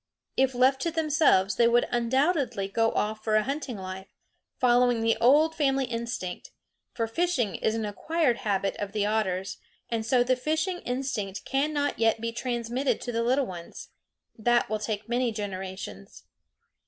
If left to themselves they would undoubtedly go off for a hunting life, following the old family instinct; for fishing is an acquired habit of the otters, and so the fishing instinct cannot yet be transmitted to the little ones. That will take many generations.